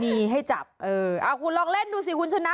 มีให้จับเออเอาคุณลองเล่นดูสิคุณชนะ